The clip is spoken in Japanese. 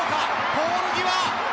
ポール際。